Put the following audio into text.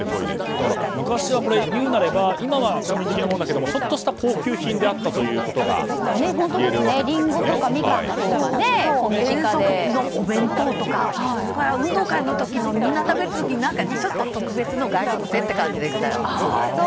だから昔はいうなれば今は庶民的なものだけれどもちょっとした高級品であったということがリンゴとかミカンのほうが遠足のお弁当とか運動会でみんな食べる時に何かちょっと特別の外国製という感じでした。